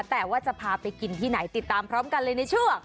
แต่ว่าจะพาไปกินที่ไหนติดตามพร้อมกันเลยในช่วง